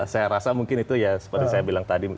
saya rasa mungkin itu ya seperti saya bilang tadi